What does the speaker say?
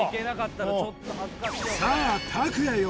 さあ卓也よ